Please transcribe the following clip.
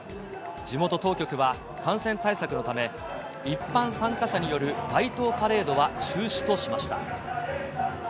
地元当局は、感染対策のため、一般参加者による街頭パレードは中止としました。